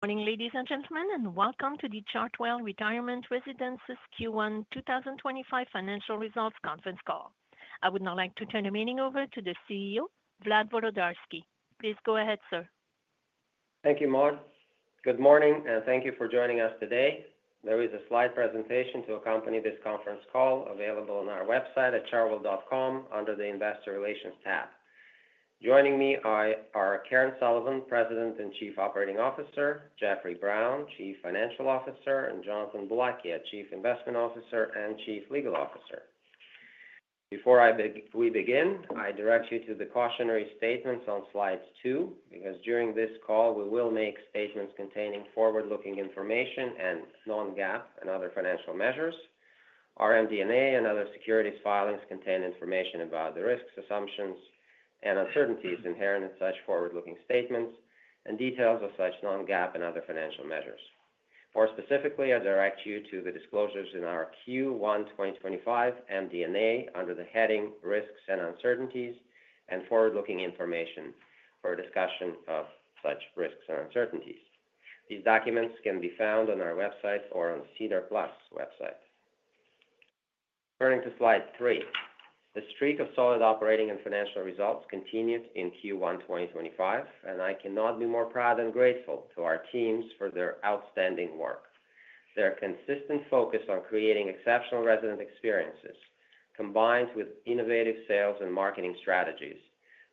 Morning, ladies and gentlemen, and welcome to the Chartwell Retirement Residences Q1 2025 Financial Results Conference Call. I would now like to turn the meeting over to the CEO, Vlad Volodarski. Please go ahead, sir. Thank you, Maud. Good morning, and thank you for joining us today. There is a slide presentation to accompany this conference call available on our website at chartwell.com under the Investor Relations tab. Joining me are Karen Sullivan, President and Chief Operating Officer; Jeffrey Brown, Chief Financial Officer; and Jonathan Boulakia, Chief Investment Officer and Chief Legal Officer. Before we begin, I direct you to the cautionary statements on slide two because during this call we will make statements containing forward-looking information and non-GAAP and other financial measures. Our MD&A and other securities filings contain information about the risks, assumptions, and uncertainties inherent in such forward-looking statements and details of such non-GAAP and other financial measures. More specifically, I direct you to the disclosures in our Q1 2025 MD&A under the heading Risks and Uncertainties and Forward-Looking Information for a discussion of such risks and uncertainties. These documents can be found on our website or on Cider Plus website. Turning to slide three, the streak of solid operating and financial results continued in Q1 2025, and I cannot be more proud and grateful to our teams for their outstanding work. Their consistent focus on creating exceptional resident experiences, combined with innovative sales and marketing strategies,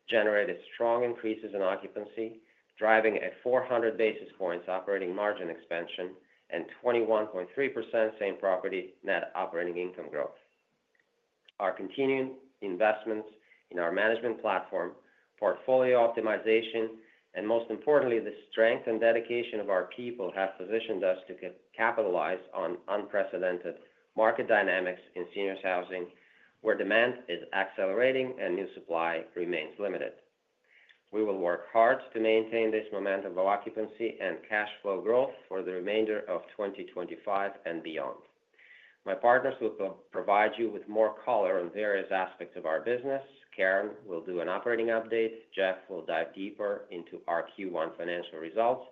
generated strong increases in occupancy, driving a 400 basis points operating margin expansion and 21.3% same property net operating income growth. Our continued investments in our management platform, portfolio optimization, and most importantly, the strength and dedication of our people have positioned us to capitalize on unprecedented market dynamics in seniors' housing where demand is accelerating and new supply remains limited. We will work hard to maintain this momentum of occupancy and cash flow growth for the remainder of 2025 and beyond. My partners will provide you with more color on various aspects of our business. Karen will do an operating update, Jeff will dive deeper into our Q1 financial results,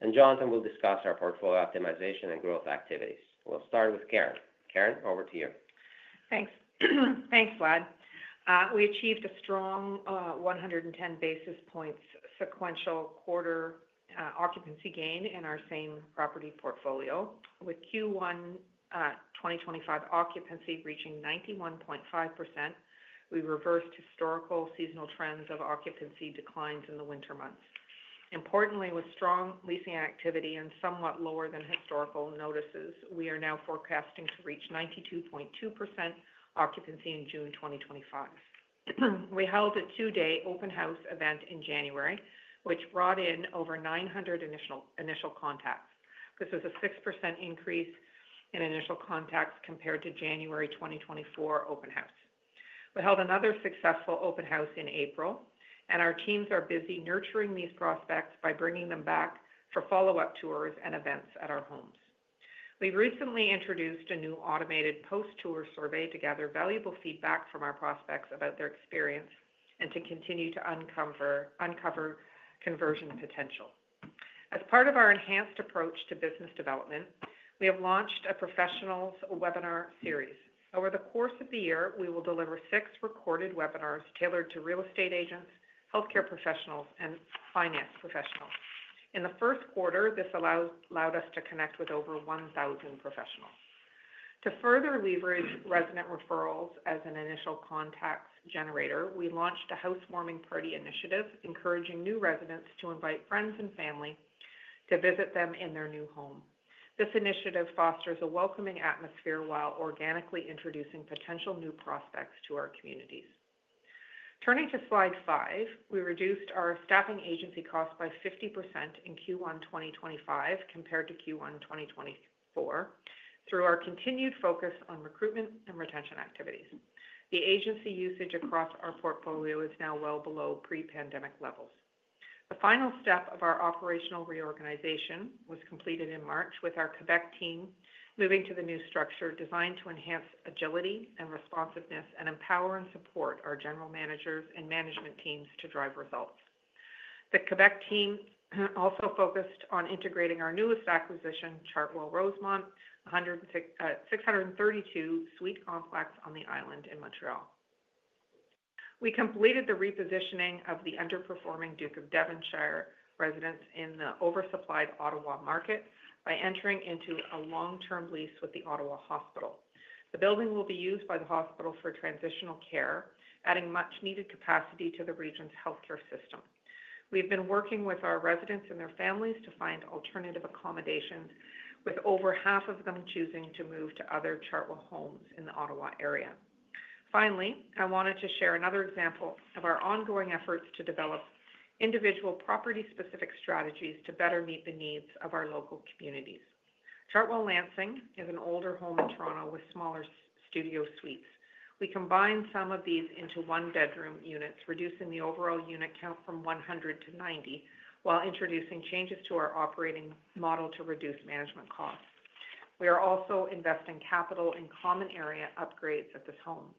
and Jonathan will discuss our portfolio optimization and growth activities. We'll start with Karen. Karen, over to you. Thanks. Thanks, Vlad. We achieved a strong 110 basis points sequential quarter occupancy gain in our same property portfolio. With Q1 2025 occupancy reaching 91.5%, we reversed historical seasonal trends of occupancy declines in the winter months. Importantly, with strong leasing activity and somewhat lower than historical notices, we are now forecasting to reach 92.2% occupancy in June 2025. We held a two-day open house event in January, which brought in over 900 initial contacts. This was a 6% increase in initial contacts compared to January 2024 open house. We held another successful open house in April, and our teams are busy nurturing these prospects by bringing them back for follow-up tours and events at our homes. We've recently introduced a new automated post-tour survey to gather valuable feedback from our prospects about their experience and to continue to uncover conversion potential. As part of our enhanced approach to business development, we have launched a professionals webinar series. Over the course of the year, we will deliver six recorded webinars tailored to real estate agents, healthcare professionals, and finance professionals. In the first quarter, this allowed us to connect with over 1,000 professionals. To further leverage resident referrals as an initial contacts generator, we launched a housewarming party initiative encouraging new residents to invite friends and family to visit them in their new home. This initiative fosters a welcoming atmosphere while organically introducing potential new prospects to our communities. Turning to slide five, we reduced our staffing agency costs by 50% in Q1 2025 compared to Q1 2024 through our continued focus on recruitment and retention activities. The agency usage across our portfolio is now well below pre-pandemic levels. The final step of our operational reorganization was completed in March with our Quebec team moving to the new structure designed to enhance agility and responsiveness and empower and support our general managers and management teams to drive results. The Quebec team also focused on integrating our newest acquisition, Chartwell Rosemont, a 632-suite complex on the island in Montreal. We completed the repositioning of the underperforming Duke of Devonshire residence in the oversupplied Ottawa market by entering into a long-term lease with the Ottawa Hospital. The building will be used by the hospital for transitional care, adding much-needed capacity to the region's healthcare system. We've been working with our residents and their families to find alternative accommodations, with over half of them choosing to move to other Chartwell homes in the Ottawa area. Finally, I wanted to share another example of our ongoing efforts to develop individual property-specific strategies to better meet the needs of our local communities. Chartwell Lansing is an older home in Toronto with smaller studio suites. We combined some of these into one-bedroom units, reducing the overall unit count from 100-90 while introducing changes to our operating model to reduce management costs. We are also investing capital in common area upgrades at this home.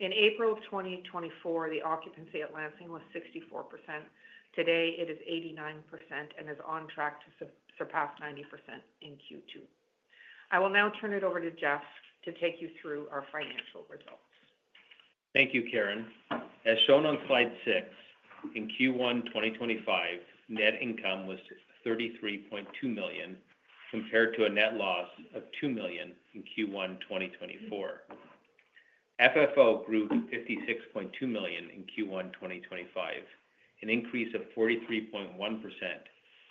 In April of 2024, the occupancy at Lansing was 64%. Today, it is 89% and is on track to surpass 90% in Q2. I will now turn it over to Jeff to take you through our financial results. Thank you, Karen. As shown on slide six, in Q1 2025, net income was 33.2 million compared to a net loss of 2 million in Q1 2024. FFO grew to 56.2 million in Q1 2025, an increase of 43.1%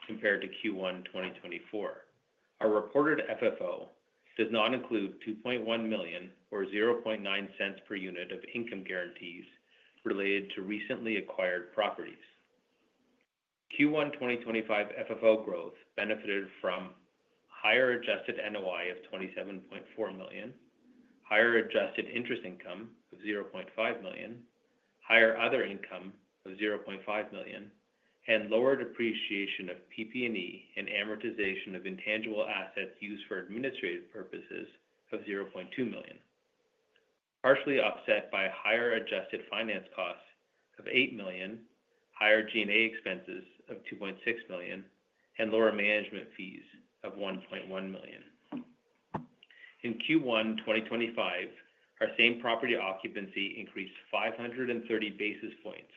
compared to Q1 2024. Our reported FFO does not include 2.1 million or 0.009 per unit of income guarantees related to recently acquired properties. Q1 2025 FFO growth benefited from higher adjusted NOI of 27.4 million, higher adjusted interest income of 0.5 million, higher other income of 0.5 million, and lower depreciation of PP&E and amortization of intangible assets used for administrative purposes of 0.2 million, partially offset by higher adjusted finance costs of 8 million, higher G&A expenses of 2.6 million, and lower management fees of 1.1 million. In Q1 2025, our same property occupancy increased 530 basis points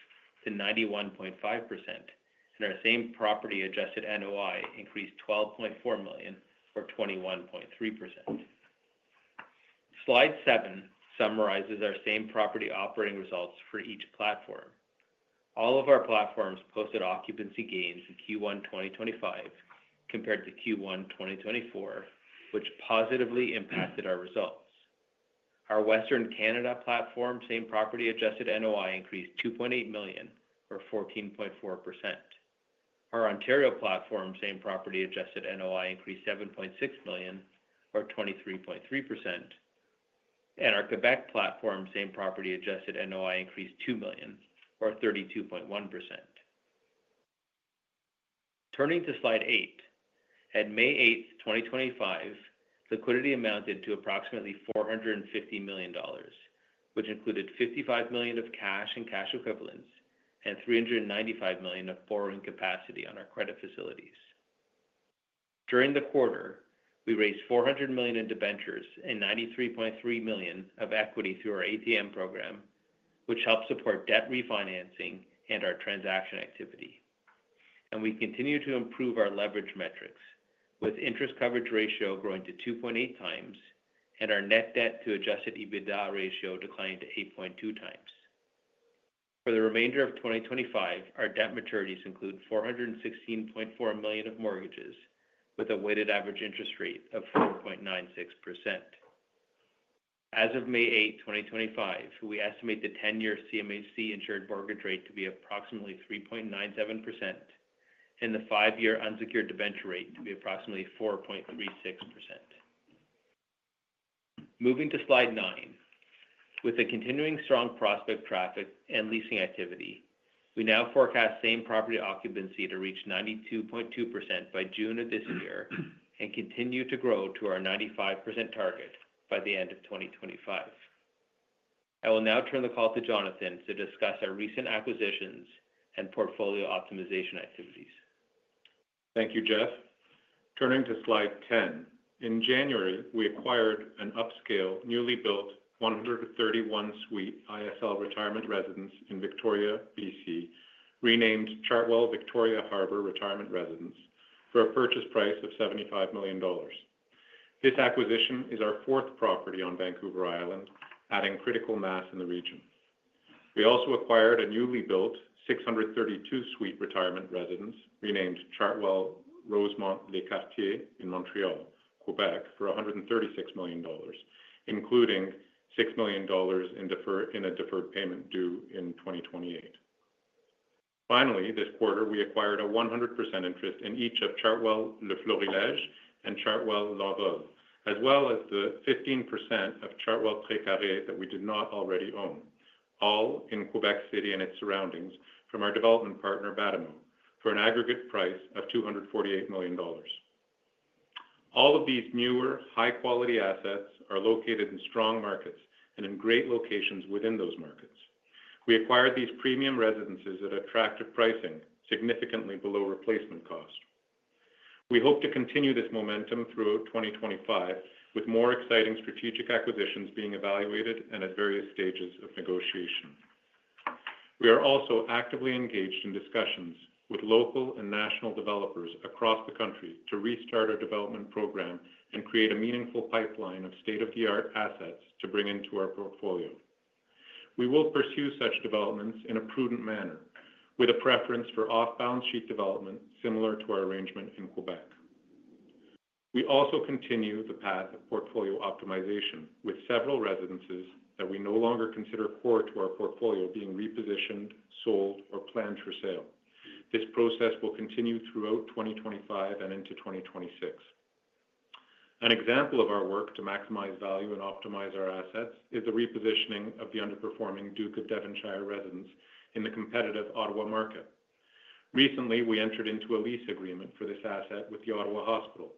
to 91.5%, and our same property adjusted NOI increased 12.4 million or 21.3%. Slide seven summarizes our same property operating results for each platform. All of our platforms posted occupancy gains in Q1 2025 compared to Q1 2024, which positively impacted our results. Our Western Canada platform, same property adjusted NOI increased 2.8 million or 14.4%. Our Ontario platform, same property adjusted NOI increased 7.6 million or 23.3%, and our Quebec platform, same property adjusted NOI increased 2 million or 32.1%. Turning to slide eight, at May 8, 2025, liquidity amounted to approximately 450 million dollars, which included 55 million of cash and cash equivalents and 395 million of borrowing capacity on our credit facilities. During the quarter, we raised 400 million in debentures and 93.3 million of equity through our ATM program, which helped support debt refinancing and our transaction activity. We continue to improve our leverage metrics, with interest coverage ratio growing to 2.8 times and our net debt to adjusted EBITDA ratio declining to 8.2 times. For the remainder of 2025, our debt maturities include 416.4 million of mortgages with a weighted average interest rate of 4.96%. As of May 8, 2025, we estimate the 10-year CMHC insured mortgage rate to be approximately 3.97% and the 5-year unsecured debenture rate to be approximately 4.36%. Moving to slide nine, with the continuing strong prospect traffic and leasing activity, we now forecast same property occupancy to reach 92.2% by June of this year and continue to grow to our 95% target by the end of 2025. I will now turn the call to Jonathan to discuss our recent acquisitions and portfolio optimization activities. Thank you, Jeff. Turning to slide 10, in January, we acquired an upscale, newly built 131-suite ISL retirement residence in Victoria, BC, renamed Chartwell Victoria Harbor Retirement Residence for a purchase price of 75 million dollars. This acquisition is our fourth property on Vancouver Island, adding critical mass in the region. We also acquired a newly built 632-suite retirement residence renamed Chartwell Rosemont Les Quartiers in Montreal, Quebec for 136 million dollars, including 6 million dollars in a deferred payment due in 2028. Finally, this quarter, we acquired a 100% interest in each of Chartwell Le Florilège and Chartwell Laval, as well as the 15% of Chartwell Trécarré that we did not already own, all in Quebec City and its surroundings from our development partner, Battamo, for an aggregate price of 248 million dollars. All of these newer, high-quality assets are located in strong markets and in great locations within those markets. We acquired these premium residences at attractive pricing, significantly below replacement cost. We hope to continue this momentum throughout 2025, with more exciting strategic acquisitions being evaluated and at various stages of negotiation. We are also actively engaged in discussions with local and national developers across the country to restart our development program and create a meaningful pipeline of state-of-the-art assets to bring into our portfolio. We will pursue such developments in a prudent manner, with a preference for off-balance sheet development similar to our arrangement in Quebec. We also continue the path of portfolio optimization with several residences that we no longer consider core to our portfolio being repositioned, sold, or planned for sale. This process will continue throughout 2025 and into 2026. An example of our work to maximize value and optimize our assets is the repositioning of the underperforming Duke of Devonshire residence in the competitive Ottawa market. Recently, we entered into a lease agreement for this asset with the Ottawa Hospital.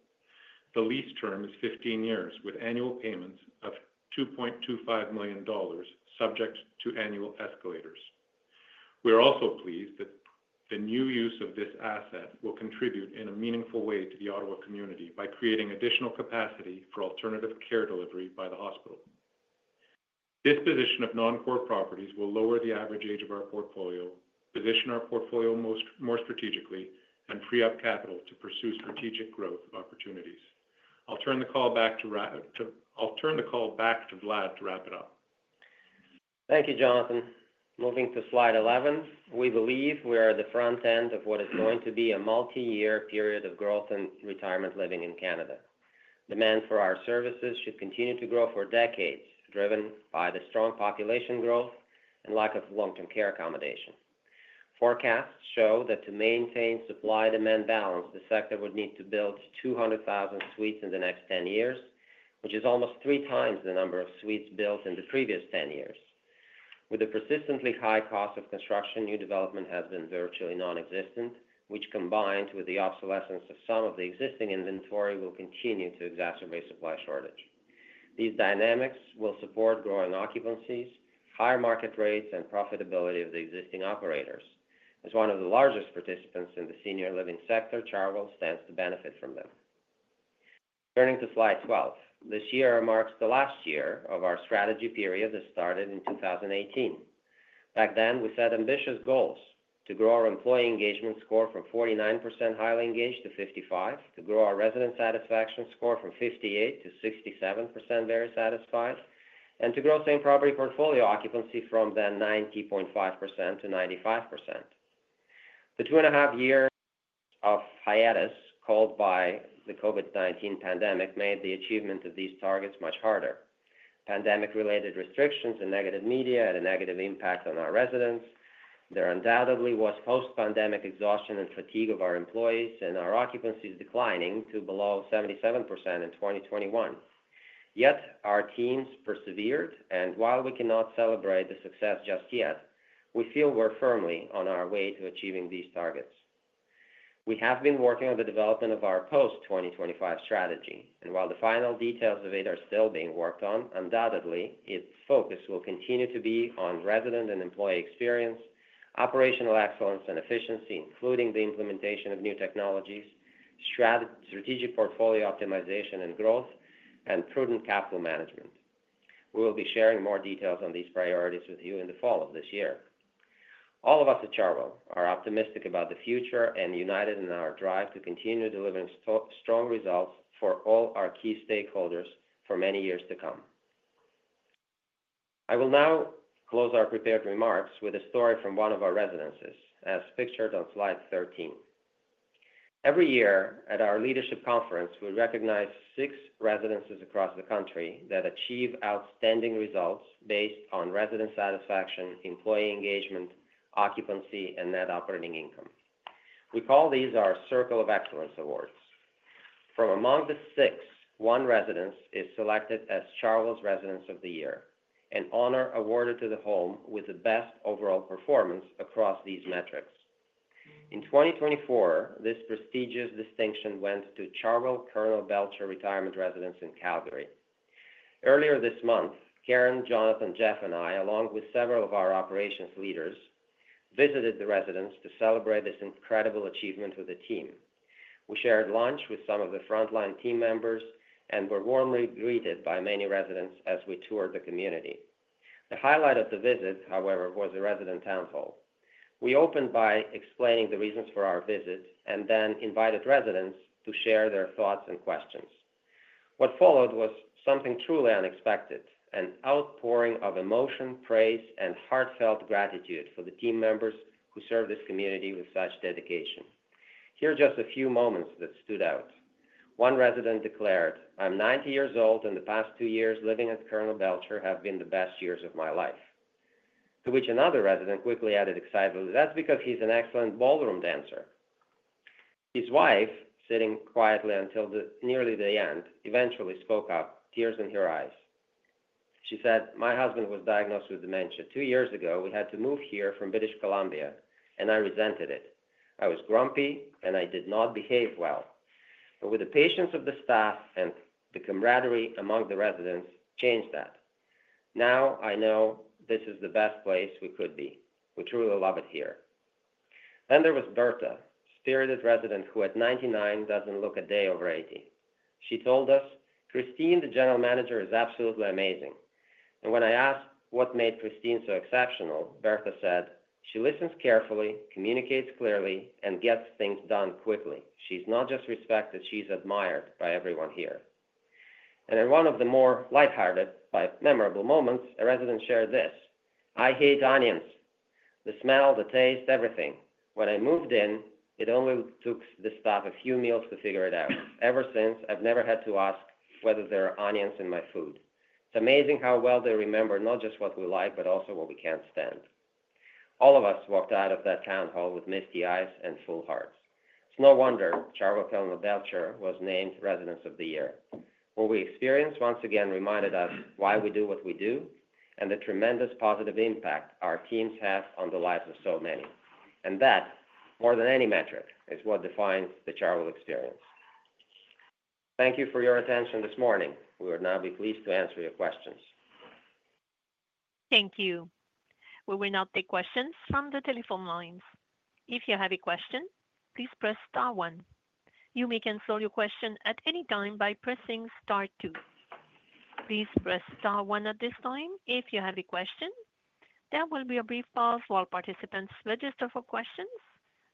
The lease term is 15 years, with annual payments of 2.25 million dollars, subject to annual escalators. We are also pleased that the new use of this asset will contribute in a meaningful way to the Ottawa community by creating additional capacity for alternative care delivery by the hospital. This reposition of non-core properties will lower the average age of our portfolio, position our portfolio more strategically, and free up capital to pursue strategic growth opportunities. I'll turn the call back to Vlad to wrap it up. Thank you, Jonathan. Moving to slide 11, we believe we are at the front end of what is going to be a multi-year period of growth in retirement living in Canada. Demand for our services should continue to grow for decades, driven by the strong population growth and lack of long-term care accommodation. Forecasts show that to maintain supply-demand balance, the sector would need to build 200,000 suites in the next 10 years, which is almost three times the number of suites built in the previous 10 years. With the persistently high cost of construction, new development has been virtually nonexistent, which, combined with the obsolescence of some of the existing inventory, will continue to exacerbate supply shortage. These dynamics will support growing occupancies, higher market rates, and profitability of the existing operators. As one of the largest participants in the senior living sector, Chartwell stands to benefit from them. Turning to slide 12, this year marks the last year of our strategy period that started in 2018. Back then, we set ambitious goals to grow our employee engagement score from 49% highly engaged to 55%, to grow our resident satisfaction score from 58%-67% very satisfied, and to grow same property portfolio occupancy from then 90.5% -95%. The two-and-a-half years of hiatus called by the COVID-19 pandemic made the achievement of these targets much harder. Pandemic-related restrictions and negative media had a negative impact on our residents. There undoubtedly was post-pandemic exhaustion and fatigue of our employees and our occupancies declining to below 77% in 2021. Yet our teams persevered, and while we cannot celebrate the success just yet, we feel we're firmly on our way to achieving these targets. We have been working on the development of our post-2025 strategy, and while the final details of it are still being worked on, undoubtedly, its focus will continue to be on resident and employee experience, operational excellence and efficiency, including the implementation of new technologies, strategic portfolio optimization and growth, and prudent capital management. We will be sharing more details on these priorities with you in the fall of this year. All of us at Chartwell are optimistic about the future and united in our drive to continue delivering strong results for all our key stakeholders for many years to come. I will now close our prepared remarks with a story from one of our residences, as pictured on slide 13. Every year at our leadership conference, we recognize six residences across the country that achieve outstanding results based on resident satisfaction, employee engagement, occupancy, and net operating income. We call these our Circle of Excellence Awards. From among the six, one residence is selected as Chartwell's Residence of the Year, an honor awarded to the home with the best overall performance across these metrics. In 2024, this prestigious distinction went to Chartwell Colonel Belcher Retirement Residence in Calgary. Earlier this month, Karen, Jonathan, Jeff, and I, along with several of our operations leaders, visited the residence to celebrate this incredible achievement with the team. We shared lunch with some of the frontline team members and were warmly greeted by many residents as we toured the community. The highlight of the visit, however, was the resident town hall. We opened by explaining the reasons for our visit and then invited residents to share their thoughts and questions. What followed was something truly unexpected, an outpouring of emotion, praise, and heartfelt gratitude for the team members who serve this community with such dedication. Here are just a few moments that stood out. One resident declared, "I'm 90 years old, and the past two years living at Colonel Belcher have been the best years of my life." To which another resident quickly added excitedly, "That's because he's an excellent ballroom dancer." His wife, sitting quietly until nearly the end, eventually spoke up, tears in her eyes. She said, "My husband was diagnosed with dementia two years ago. We had to move here from British Columbia, and I resented it. I was grumpy, and I did not behave well. With the patience of the staff and the camaraderie among the residents, changed that. Now I know this is the best place we could be. We truly love it here." There was Bertha, spirited resident who at 99 does not look a day over 80. She told us, "Christine, the general manager, is absolutely amazing." When I asked what made Christine so exceptional, Bertha said, "She listens carefully, communicates clearly, and gets things done quickly. She is not just respected, she is admired by everyone here." In one of the more lighthearted, but memorable moments, a resident shared this, "I hate onions. The smell, the taste, everything. When I moved in, it only took the staff a few meals to figure it out. Ever since, I have never had to ask whether there are onions in my food. It is amazing how well they remember not just what we like, but also what we cannot stand." All of us walked out of that town hall with misty eyes and full hearts. no wonder Chartwell Colonel Belcher was named Residence of the Year. What we experienced once again reminded us why we do what we do and the tremendous positive impact our teams have on the lives of so many. That, more than any metric, is what defines the Chartwell experience. Thank you for your attention this morning. We would now be pleased to answer your questions. Thank you. We will now take questions from the telephone lines. If you have a question, please press star one. You may cancel your question at any time by pressing star two. Please press star one at this time if you have a question. There will be a brief pause while participants register for questions.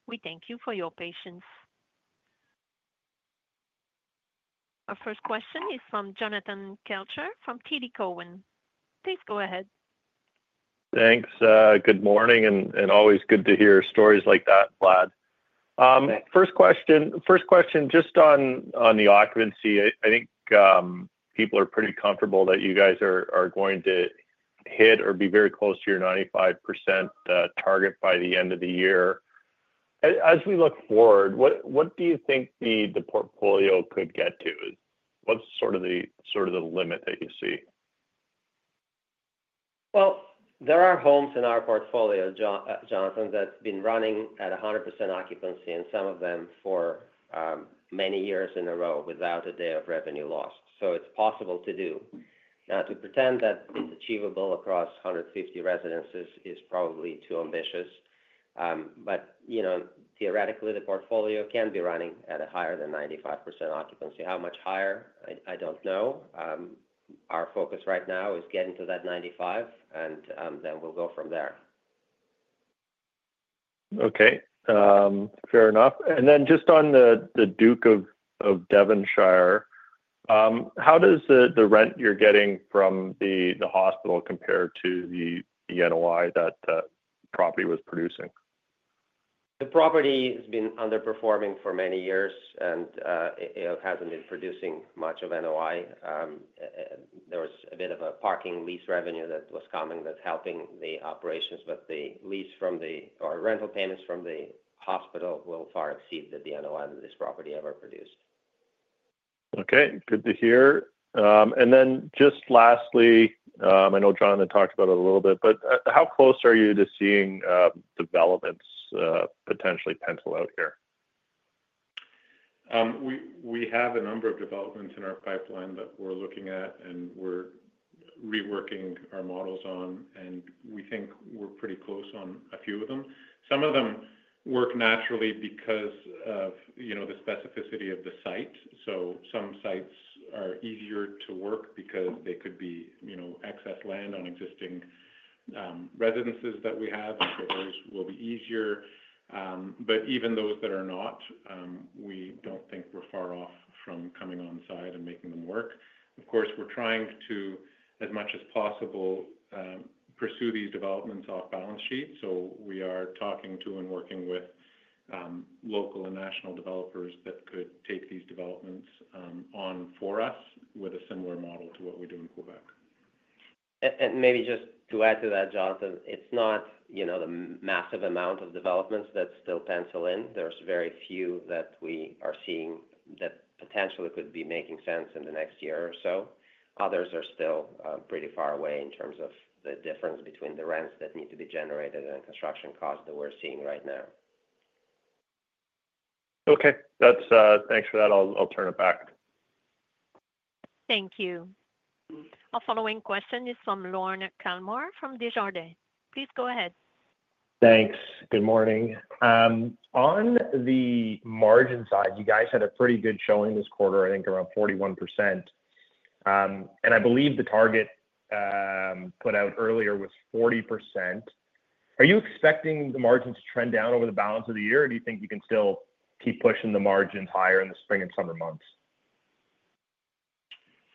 We thank you for your patience. Our first question is from Jonathan Kelcher from TD Cowen. Please go ahead. Thanks. Good morning, and always good to hear stories like that, Vlad. First question, just on the occupancy, I think people are pretty comfortable that you guys are going to hit or be very close to your 95% target by the end of the year. As we look forward, what do you think the portfolio could get to? What's sort of the limit that you see? There are homes in our portfolio, Jonathan, that's been running at 100% occupancy and some of them for many years in a row without a day of revenue lost. It is possible to do. Now, to pretend that it's achievable across 150 residences is probably too ambitious. Theoretically, the portfolio can be running at a higher than 95% occupancy. How much higher, I do not know. Our focus right now is getting to that 95%, and then we will go from there. Okay. Fair enough. And then just on the Duke of Devonshire, how does the rent you're getting from the hospital compare to the NOI that the property was producing? The property has been underperforming for many years, and it hasn't been producing much of NOI. There was a bit of a parking lease revenue that was coming that's helping the operations, but the lease from the or rental payments from the hospital will far exceed the NOI that this property ever produced. Okay. Good to hear. Lastly, I know Jonathan talked about it a little bit, but how close are you to seeing developments potentially pencil out here? We have a number of developments in our pipeline that we're looking at and we're reworking our models on, and we think we're pretty close on a few of them. Some of them work naturally because of the specificity of the site. Some sites are easier to work because they could be excess land on existing residences that we have, which will be easier. Even those that are not, we do not think we're far off from coming on site and making them work. Of course, we're trying to, as much as possible, pursue these developments off balance sheet. We are talking to and working with local and national developers that could take these developments on for us with a similar model to what we do in Quebec. Maybe just to add to that, Jonathan, it's not the massive amount of developments that still pencil in. There's very few that we are seeing that potentially could be making sense in the next year or so. Others are still pretty far away in terms of the difference between the rents that need to be generated and construction costs that we're seeing right now. Okay. Thanks for that. I'll turn it back. Thank you. Our following question is from Lorne Kalmar from Desjardins. Please go ahead. Thanks. Good morning. On the margin side, you guys had a pretty good showing this quarter, I think around 41%. And I believe the target put out earlier was 40%. Are you expecting the margin to trend down over the balance of the year, or do you think you can still keep pushing the margins higher in the spring and summer months?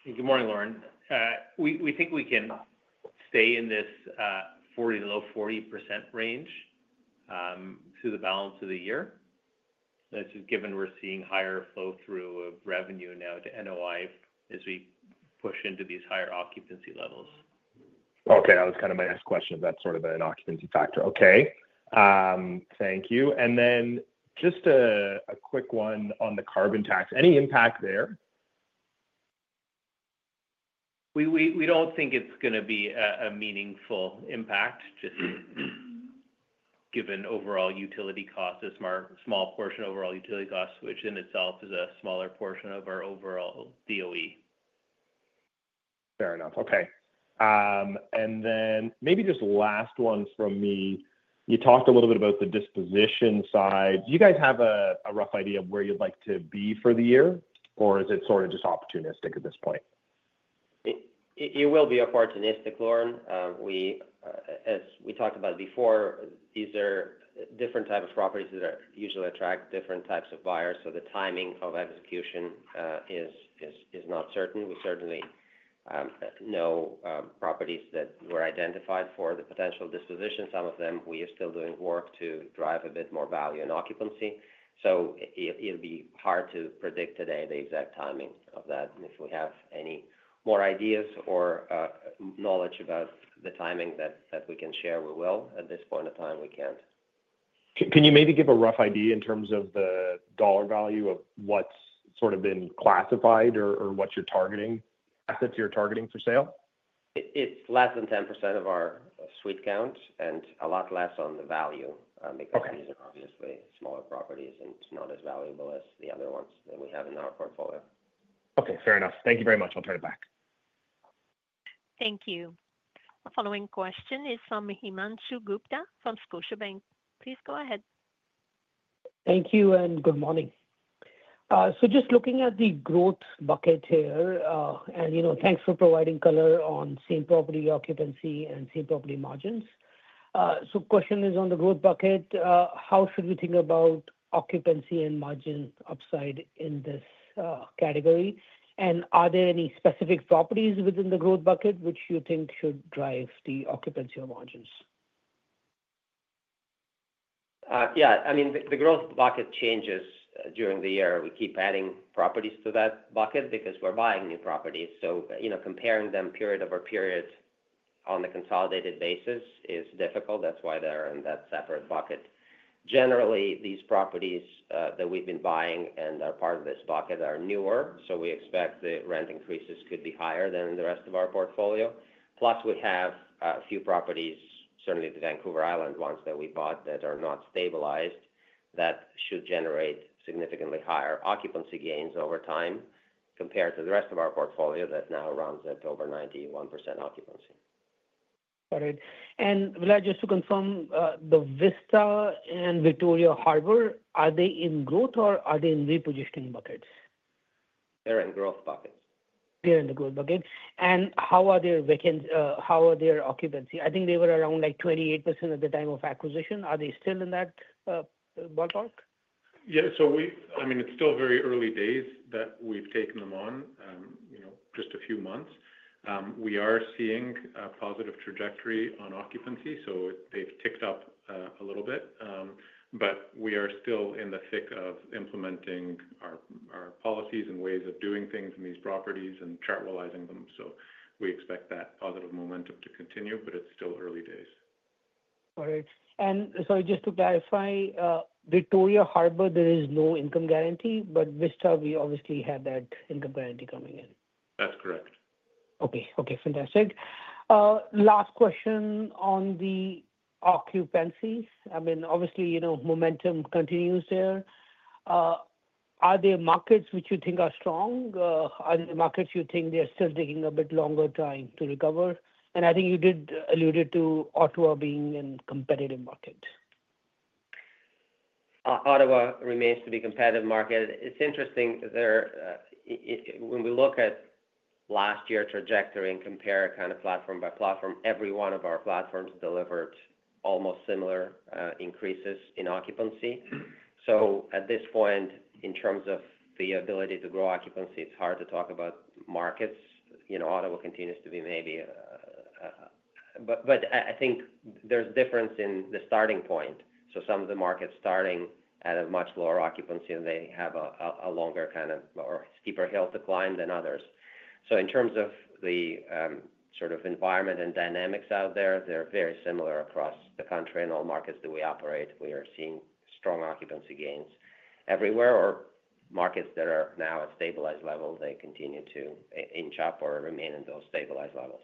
Good morning, Lorne. We think we can stay in this low 40% range through the balance of the year, given we're seeing higher flow-through of revenue now to NOI as we push into these higher occupancy levels. Okay. That was kind of my next question, if that's sort of an occupancy factor. Okay. Thank you. Just a quick one on the carbon tax. Any impact there? We do not think it is going to be a meaningful impact, just given overall utility costs, a small portion of overall utility costs, which in itself is a smaller portion of our overall DOE. Fair enough. Okay. Maybe just last one from me. You talked a little bit about the disposition side. Do you guys have a rough idea of where you'd like to be for the year, or is it sort of just opportunistic at this point? It will be opportunistic, Lorne. As we talked about before, these are different types of properties that usually attract different types of buyers, so the timing of execution is not certain. We certainly know properties that were identified for the potential disposition. Some of them, we are still doing work to drive a bit more value and occupancy. It will be hard to predict today the exact timing of that. If we have any more ideas or knowledge about the timing that we can share, we will. At this point in time, we can't. Can you maybe give a rough idea in terms of the dollar value of what is sort of been classified or what you are targeting, assets you are targeting for sale? It's less than 10% of our suite count and a lot less on the value because these are obviously smaller properties and not as valuable as the other ones that we have in our portfolio. Okay. Fair enough. Thank you very much. I'll turn it back. Thank you. Our following question is from Himanshu Gupta from Scotiabank. Please go ahead. Thank you and good morning. Just looking at the growth bucket here, and thanks for providing color on same property occupancy and same property margins. Question is on the growth bucket, how should we think about occupancy and margin upside in this category? Are there any specific properties within the growth bucket which you think should drive the occupancy or margins? Yeah. I mean, the growth bucket changes during the year. We keep adding properties to that bucket because we're buying new properties. Comparing them period over period on a consolidated basis is difficult. That's why they're in that separate bucket. Generally, these properties that we've been buying and are part of this bucket are newer, so we expect the rent increases could be higher than the rest of our portfolio. Plus, we have a few properties, certainly the Vancouver Island ones that we bought, that are not stabilized, that should generate significantly higher occupancy gains over time compared to the rest of our portfolio that now runs at over 91% occupancy. Got it. And Vlad, just to confirm, the Vista and Victoria Harbor, are they in growth or are they in repositioning buckets? They're in growth buckets. They're in the growth bucket. How are their occupancy? I think they were around 28% at the time of acquisition. Are they still in that ballpark? Yeah. So I mean, it's still very early days that we've taken them on, just a few months. We are seeing a positive trajectory on occupancy, so they've ticked up a little bit. We are still in the thick of implementing our policies and ways of doing things in these properties and chartwellizing them. We expect that positive momentum to continue, but it's still early days. Got it. Sorry, just to clarify, Victoria Harbor, there is no income guarantee, but Vista, we obviously have that income guarantee coming in. That's correct. Okay. Okay. Fantastic. Last question on the occupancy. I mean, obviously, momentum continues there. Are there markets which you think are strong? Are there markets you think are still taking a bit longer time to recover? I think you did allude to Ottawa being a competitive market. Ottawa remains to be a competitive market. It's interesting when we look at last year's trajectory and compare kind of platform by platform, every one of our platforms delivered almost similar increases in occupancy. At this point, in terms of the ability to grow occupancy, it's hard to talk about markets. Ottawa continues to be maybe a—but I think there's a difference in the starting point. Some of the markets are starting at a much lower occupancy and they have a longer kind of or steeper hill to climb than others. In terms of the sort of environment and dynamics out there, they're very similar across the country and all markets that we operate. We are seeing strong occupancy gains everywhere or markets that are now at stabilized levels, they continue to inch up or remain in those stabilized levels.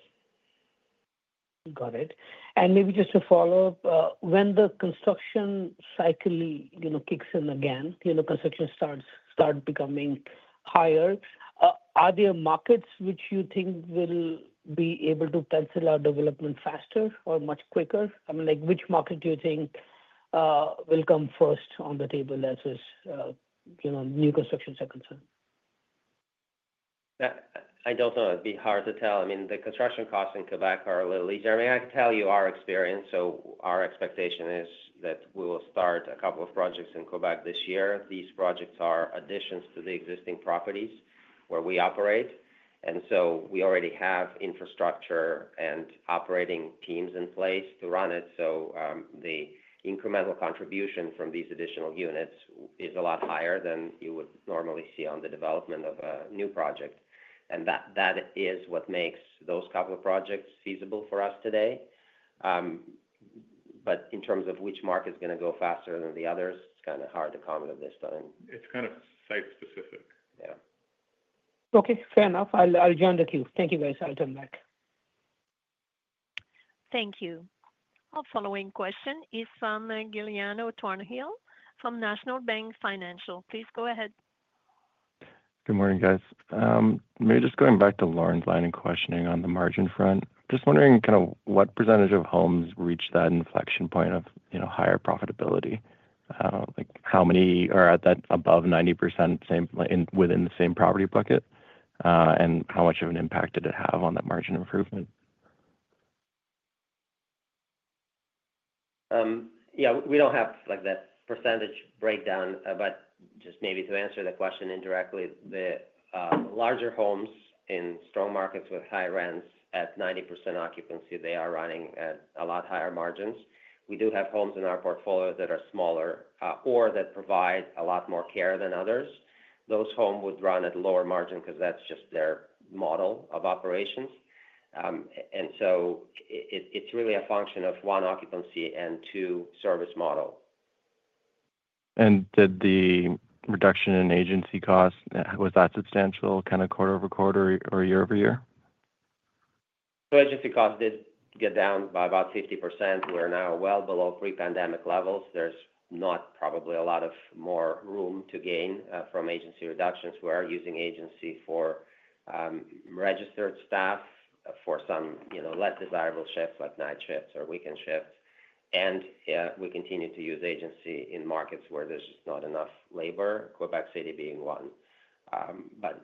Got it. Maybe just to follow up, when the construction cycle kicks in again, construction starts becoming higher, are there markets which you think will be able to pencil out development faster or much quicker? I mean, which market do you think will come first on the table as new constructions are concerned? I don't know. It'd be hard to tell. I mean, the construction costs in Quebec are a little least. I mean, I can tell you our experience. Our expectation is that we will start a couple of projects in Quebec this year. These projects are additions to the existing properties where we operate. We already have infrastructure and operating teams in place to run it. The incremental contribution from these additional units is a lot higher than you would normally see on the development of a new project. That is what makes those couple of projects feasible for us today. In terms of which market's going to go faster than the others, it's kind of hard to comment on this one. It's kind of site-specific. Yeah. Okay. Fair enough. I'll join the queue. Thank you very much. Thank you. Our following question is from Giuliano Thornhill from National Bank Financial. Please go ahead. Good morning, guys. Maybe just going back to Lorne's line and questioning on the margin front, just wondering kind of what percentage of homes reach that inflection point of higher profitability? How many are above 90% within the same property bucket? How much of an impact did it have on that margin improvement? Yeah. We do not have that percentage breakdown, but just maybe to answer the question indirectly, the larger homes in strong markets with high rents at 90% occupancy, they are running at a lot higher margins. We do have homes in our portfolio that are smaller or that provide a lot more care than others. Those homes would run at a lower margin because that is just their model of operations. It is really a function of one occupancy and two service models. Did the reduction in agency costs, was that substantial kind of quarter-over-quarter or year-over-year? Agency costs did get down by about 50%. We're now well below pre-pandemic levels. There's not probably a lot of more room to gain from agency reductions. We are using agency for registered staff, for some less desirable shifts like night shifts or weekend shifts. We continue to use agency in markets where there's just not enough labor, Quebec City being one.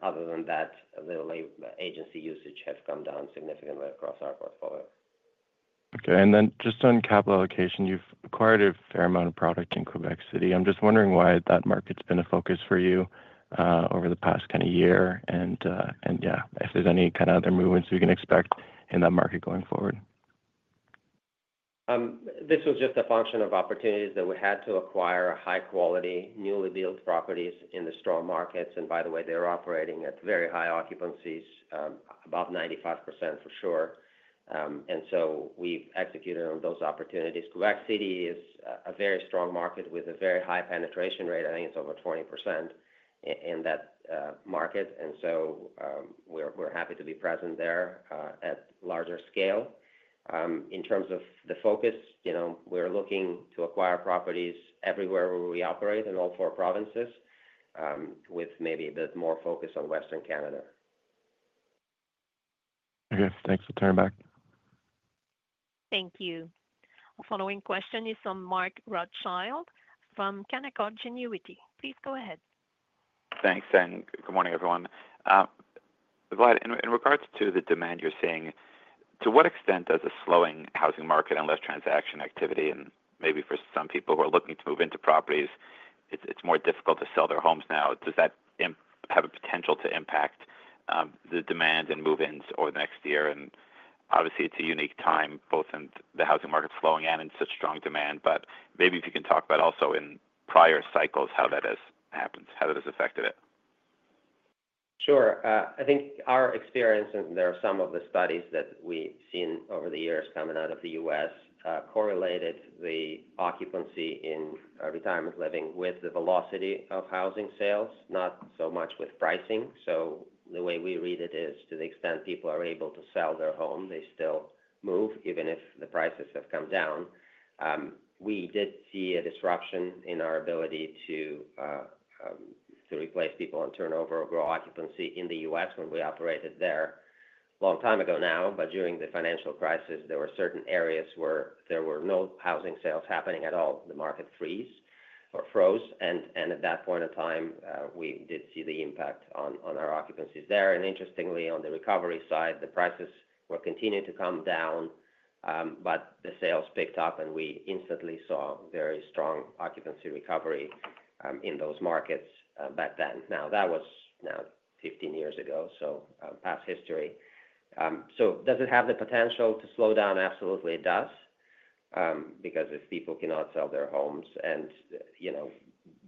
Other than that, the agency usage has come down significantly across our portfolio. Okay. And then just on capital allocation, you've acquired a fair amount of product in Quebec City. I'm just wondering why that market's been a focus for you over the past kind of year. Yeah, if there's any kind of other movements we can expect in that market going forward. This was just a function of opportunities that we had to acquire high-quality newly built properties in the strong markets. By the way, they are operating at very high occupancies, about 95% for sure. We have executed on those opportunities. Quebec City is a very strong market with a very high penetration rate. I think it is over 20% in that market. We are happy to be present there at larger scale. In terms of the focus, we are looking to acquire properties everywhere where we operate in all four provinces with maybe a bit more focus on Western Canada. Okay. Thanks. I'll turn it back. Thank you. Our following question is from Mark Rothschild from Canaccord Genuity. Please go ahead. Thanks. Good morning, everyone. Vlad, in regards to the demand you're seeing, to what extent does a slowing housing market and less transaction activity, and maybe for some people who are looking to move into properties, it's more difficult to sell their homes now, does that have a potential to impact the demand and move-ins over the next year? Obviously, it's a unique time, both in the housing market slowing and in such strong demand, but maybe if you can talk about also in prior cycles how that has happened, how that has affected it. Sure. I think our experience, and there are some of the studies that we've seen over the years coming out of the U.S., correlated the occupancy in retirement living with the velocity of housing sales, not so much with pricing. The way we read it is to the extent people are able to sell their home, they still move even if the prices have come down. We did see a disruption in our ability to replace people and turnover or grow occupancy in the U.S. when we operated there a long time ago now. During the financial crisis, there were certain areas where there were no housing sales happening at all. The market froze. At that point in time, we did see the impact on our occupancies there. Interestingly, on the recovery side, the prices were continuing to come down, but the sales picked up, and we instantly saw very strong occupancy recovery in those markets back then. That was now 15 years ago, so past history. Does it have the potential to slow down? Absolutely, it does. Because if people cannot sell their homes and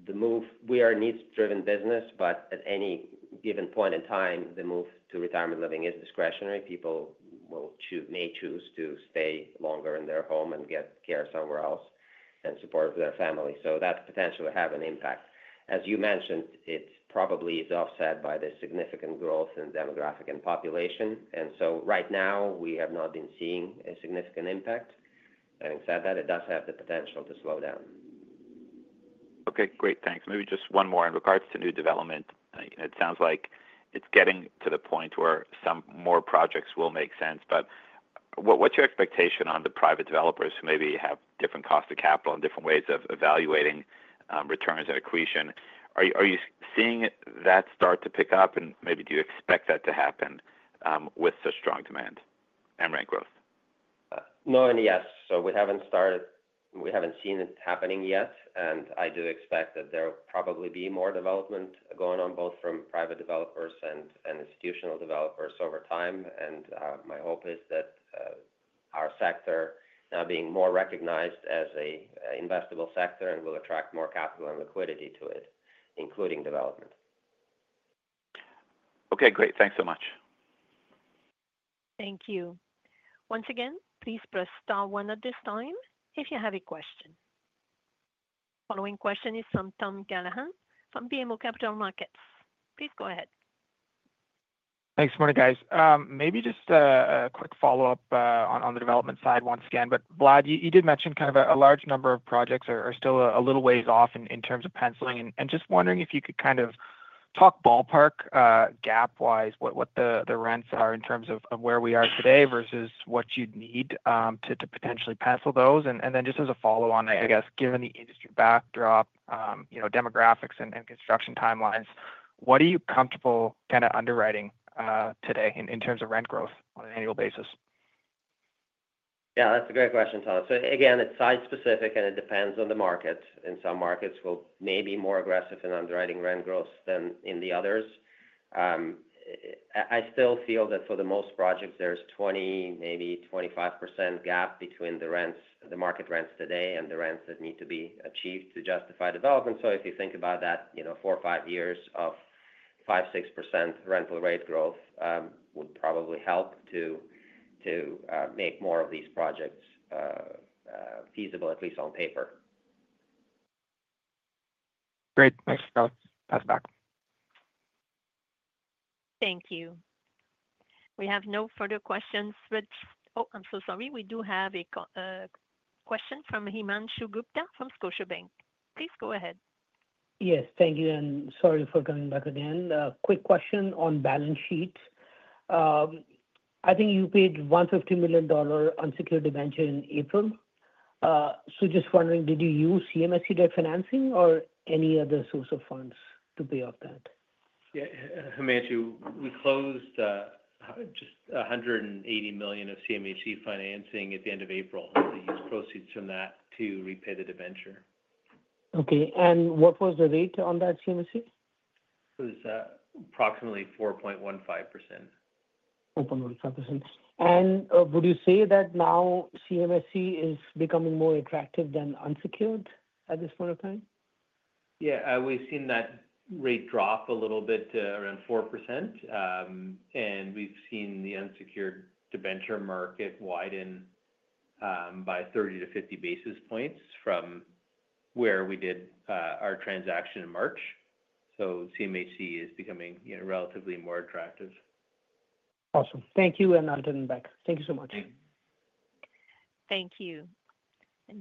the move, we are a needs-driven business, but at any given point in time, the move to retirement living is discretionary. People may choose to stay longer in their home and get care somewhere else and support their family. That potentially has an impact. As you mentioned, it probably is offset by the significant growth in demographic and population. Right now, we have not been seeing a significant impact. Having said that, it does have the potential to slow down. Okay. Great. Thanks. Maybe just one more in regards to new development. It sounds like it's getting to the point where some more projects will make sense. What's your expectation on the private developers who maybe have different costs of capital and different ways of evaluating returns and accretion? Are you seeing that start to pick up, and maybe do you expect that to happen with such strong demand and rent growth? No and yes. We haven't started; we haven't seen it happening yet. I do expect that there will probably be more development going on both from private developers and institutional developers over time. My hope is that our sector, now being more recognized as an investable sector, will attract more capital and liquidity to it, including development. Okay. Great. Thanks so much. Thank you. Once again, please press star one at this time if you have a question. Following question is from Tom Callaghan from BMO Capital Markets. Please go ahead. Thanks for the morning, guys. Maybe just a quick follow-up on the development side once again. Vlad, you did mention kind of a large number of projects are still a little ways off in terms of penciling. I am just wondering if you could kind of talk ballpark, gap-wise, what the rents are in terms of where we are today versus what you'd need to potentially pencil those. Just as a follow-on, I guess, given the industry backdrop, demographics, and construction timelines, what are you comfortable kind of underwriting today in terms of rent growth on an annual basis? Yeah. That's a great question, Tom. Again, it's site-specific, and it depends on the market. In some markets, we may be more aggressive in underwriting rent growth than in others. I still feel that for most projects, there's a 20%-25% gap between the market rents today and the rents that need to be achieved to justify development. If you think about that, four or five years of 5%-6% rental rate growth would probably help to make more of these projects feasible, at least on paper. Great. Thanks, Tom. Pass it back. Thank you. We have no further questions. Oh, I'm so sorry. We do have a question from Himanshu Gupta from Scotiabank. Please go ahead. Yes. Thank you. Sorry for coming back again. Quick question on balance sheet. I think you paid 150 million dollar on security venture in April. Just wondering, did you use CMHC direct financing or any other source of funds to pay off that? Yeah. Himanshu, we closed just 180 million of CMHC financing at the end of April. We used proceeds from that to repay the debenture. Okay. What was the rate on that CMHC? It was approximately 4.15%. 4.15%. Would you say that now CMHC is becoming more attractive than unsecured at this point of time? Yeah. We've seen that rate drop a little bit to around 4%. And we've seen the unsecured debenture market widen by 30-50 basis points from where we did our transaction in March. So CMHC is becoming relatively more attractive. Awesome. Thank you. I'll turn it back. Thank you so much. Thank you.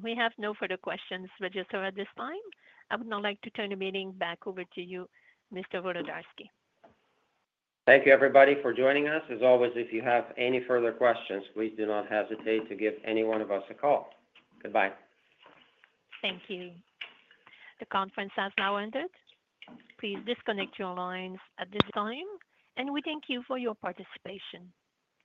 We have no further questions, Register, at this time. I would now like to turn the meeting back over to you, Mr. Volodarski. Thank you, everybody, for joining us. As always, if you have any further questions, please do not hesitate to give any one of us a call. Goodbye. Thank you. The conference has now ended. Please disconnect your lines at this time, and we thank you for your participation.